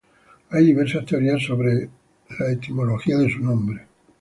Hay diversas teorías acerca de la etimología de su nombre.